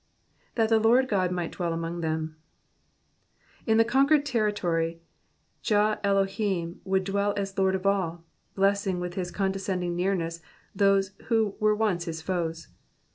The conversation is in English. ^^That the Lord Qod might dwell among them,'''' In the conquered territory, Jah Elohim would dwell as Lord of all, blessing with his condescending nearness those who were once his foes.